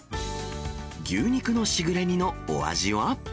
牛肉のしぐれ煮のお味は？